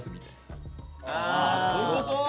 そういうこと？